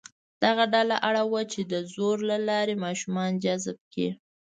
دغه ډله اړ وه چې د زور له لارې ماشومان جذب کړي.